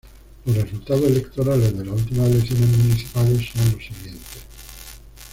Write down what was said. Los resultados electorales de las últimas elecciones municipales son los siguientes.